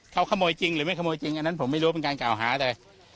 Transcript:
เขาขโมยจริงหรือไม่ขโมยจริงอันนั้นผมไม่รู้ว่าเป็นการกล่าวหาแต่